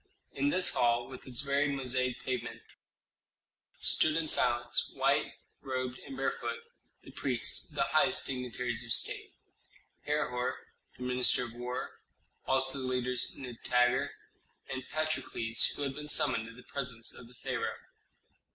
In this hall, with its varied mosaic pavement, stood in silence, white robed and barefoot, the priests, the highest dignitaries of State, Herhor, the minister of war, also the leaders Nitager and Patrokles, who had been summoned to the presence of the pharaoh.